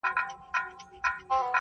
او بیا څو میاشتې هماغه اوبه څښي